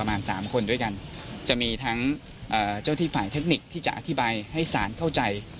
ประมาณสามคนด้วยกันจะมีทั้งเจ้าที่ฝ่ายเทคนิคที่จะอธิบายให้ศาลเข้าใจ